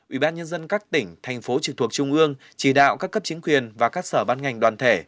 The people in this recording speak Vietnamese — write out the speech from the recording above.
ủy ban nhân dân các tỉnh thành phố trực thuộc trung ương chỉ đạo các cấp chính quyền và các sở ban ngành đoàn thể